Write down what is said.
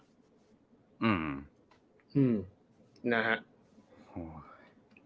อืม